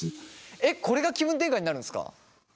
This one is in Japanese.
えっこれが気分転換になるんですか？